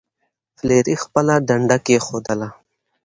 فلیریک خپله ډنډه کیښودله.